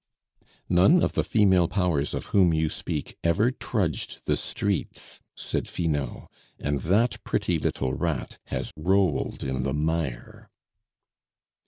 "None of the female powers of whom you speak ever trudged the streets," said Finot, "and that pretty little 'rat' has rolled in the mire."